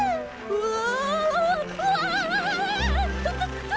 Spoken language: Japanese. うわ！